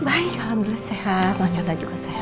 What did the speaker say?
baik alhamdulillah sehat mas chandra juga sehat